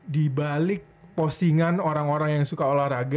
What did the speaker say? di balik postingan orang orang yang suka olahraga